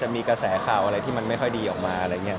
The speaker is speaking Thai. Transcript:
มีกระแสข่าวอะไรที่มันไม่ค่อยดีออกมาอะไรอย่างนี้